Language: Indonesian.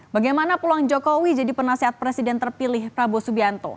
bagaimana peluang jokowi jadi penasehat presiden terpilih prabowo subianto